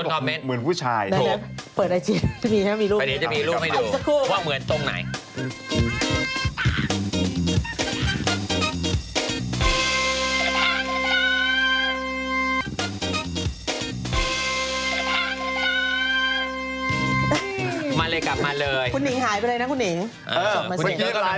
คุณหนิงหายไปเลยนะคุณหนิง